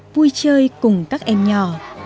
vui chơi cùng các em nhỏ